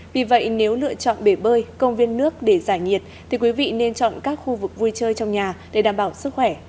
vì vậy nếu lựa chọn bể bơi công viên nước để giải nhiệt thì quý vị nên chọn các khu vực vui chơi trong nhà để đảm bảo sức khỏe